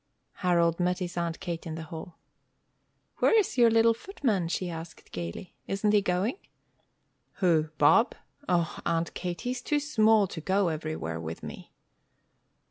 Harold met his Aunt Kate in the hall. "Where's your little footman?" she asked gaily. "Isn't he going?" "Who? Bob? O Aunt Kate, he's too small to go everyvhere with me!"